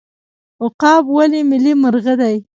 عقاب ولې ملي مرغه دی؟